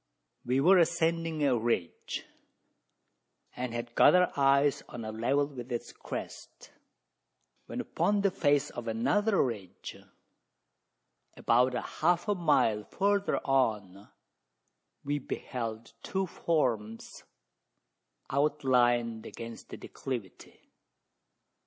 We were ascending a ridge, and had got our eyes on a level with its crest, when upon the face of another ridge about half a mile further on we beheld two forms outlined against the declivity.